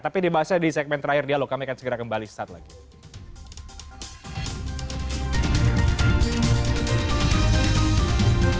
tapi dibahasnya di segmen terakhir dialog kami akan segera kembali saat lagi